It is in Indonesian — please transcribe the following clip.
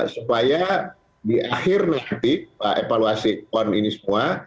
supaya di akhir nanti evaluasi pon ini semua